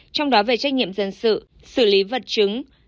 trong đó về trách nhiệm dân sự xử lý vật chứng